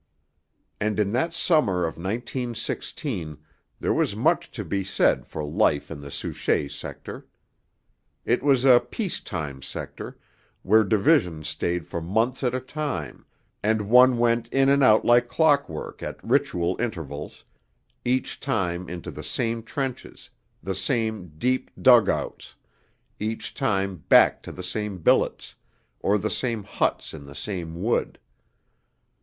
And in that summer of 1916 there was much to be said for life in the Souchez sector. It was a 'peace time' sector, where divisions stayed for months at a time, and one went in and out like clockwork at ritual intervals, each time into the same trenches, the same deep dug outs, each time back to the same billets, or the same huts in the same wood.